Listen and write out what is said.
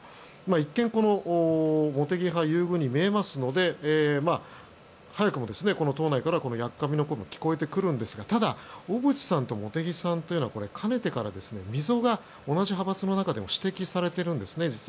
一見、茂木派優遇に見えますので早くも党内からやっかみの声も聞こえてくるんですが小渕さんと茂木さんというのはかねてから、溝が同じ派閥の中でも指摘されてるんですね。